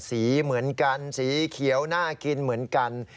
สีเหมือนกันสีเขียวน่ากินเหมือนกัน